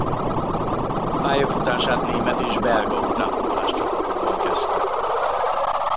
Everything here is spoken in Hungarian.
Pályafutását német és belga utánpótláscsapatokban kezdte.